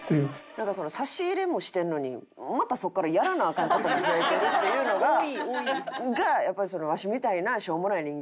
なんか差し入れもしてるのにまたそこからやらなアカン事も増えてるっていうのがやっぱりワシみたいなしょうもない人間は。